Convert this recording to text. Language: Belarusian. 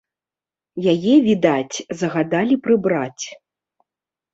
Яе, відаць, загадалі прыбраць.